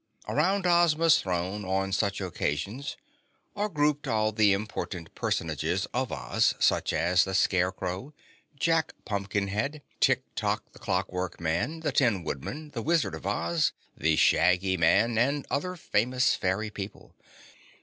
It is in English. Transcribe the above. Around Ozma's throne, on such occasions, are grouped all the important personages of Oz, such as the Scarecrow, Jack Pumpkinhead, Tiktok the Clockwork Man, the Tin Woodman, the Wizard of Oz, the Shaggy Man and other famous fairy people.